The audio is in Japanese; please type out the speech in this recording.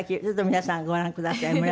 ちょっと皆さんご覧ください。